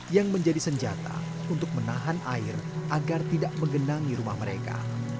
yang menjadi senjata untuk menahan air agar tidak menggenangi rumah mereka